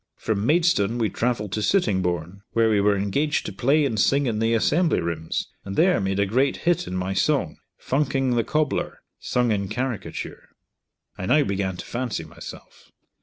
From Maidstone we travelled to Sittingbourne, where we were engaged to play and sing in the Assembly Rooms, and there made a great hit in my song, "Funking the Cobbler," sung in caricature. I now began to fancy myself.